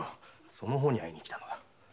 その方に会いに来たのだ。